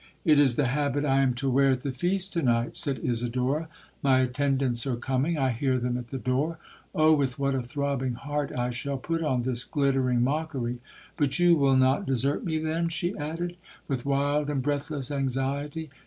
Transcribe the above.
'—'It is the habit I am to wear at the feast to night,' said Isidora—'My attendants are coming—I hear them at the door—oh, with what a throbbing heart I shall put on this glittering mockery!—But you will not desert me then?' she added, with wild and breathless anxiety.